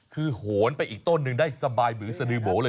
คือไม่ต้องขึ้นรอง